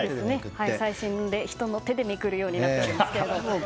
最新で人の手でめくるようになっていますけど。